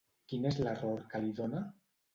Quin és l'error que li dona?